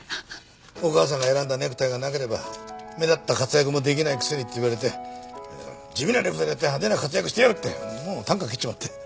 「お母さんが選んだネクタイがなければ目立った活躍もできないくせに」って言われて「地味なネクタイだって派手な活躍してやる！」ってもう啖呵切っちまって。